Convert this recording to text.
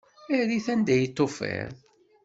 Err-it anda i t-tufiḍ.